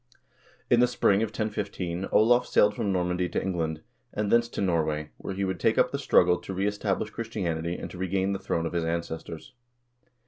In the spring of 1015 Olav sailed from Normandy to England, and thence to Norway, where he would take up the struggle to rees tablish Christianity and to regain the throne of his ancestors.